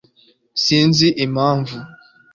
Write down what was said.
sinzi impamvu